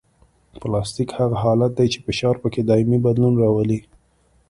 پلاستیک هغه حالت دی چې فشار پکې دایمي بدلون راولي